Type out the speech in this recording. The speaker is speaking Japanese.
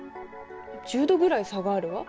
１０℃ぐらい差があるわ。